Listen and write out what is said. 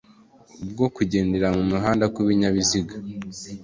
bwo kugendera mu muhanda kw ibinyabiziga